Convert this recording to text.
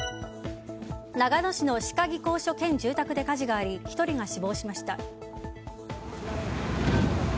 長野市の歯科技工所兼住宅で火事があり１人が死亡しました。